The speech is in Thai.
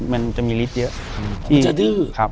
อยู่ที่แม่ศรีวิรัยิลครับ